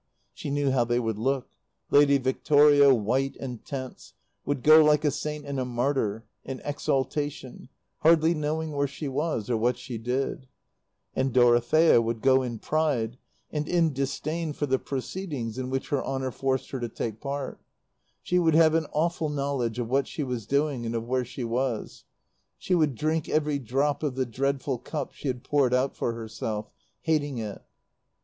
She knew how they would look; Lady Victoria, white and tense, would go like a saint and a martyr, in exaltation, hardly knowing where she was, or what she did; and Dorothea would go in pride, and in disdain for the proceedings in which her honour forced her to take part; she would have an awful knowledge of what she was doing and of where she was; she would drink every drop of the dreadful cup she had poured out for herself, hating it.